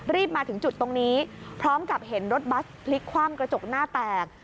มาถึงจุดตรงนี้พร้อมกับเห็นรถบัสพลิกคว่ำกระจกหน้าแตก